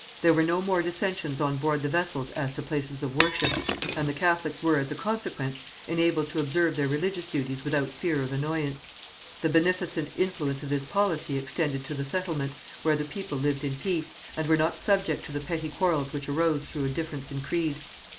There were no more dissensions on board the vessels as to places of worship, and the Catholics were, as a consequence, enabled to observe their religious duties without fear of annoyance. The beneficent influence of this policy extended to the settlement, where the people lived in peace, and were not subject to the petty quarrels which arose through a difference in creed.